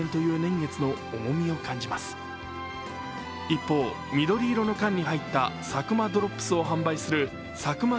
一方、緑色の缶に入ったサクマドロップスを販売するサクマ